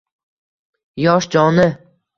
yosh joni